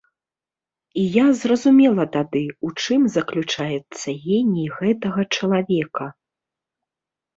І я зразумела тады, у чым заключаецца геній гэтага чалавека.